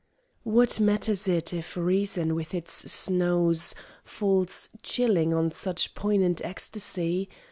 What matters it if reason with its snows Falls chilling on such poignant ecstasy?